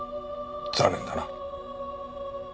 残念だな。